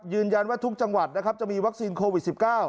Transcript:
ยืนยันว่าทุกจังหวัดจะมีวัคซีนโควิด๑๙